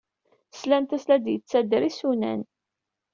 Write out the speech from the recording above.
Slant-as la d-yettader isunan.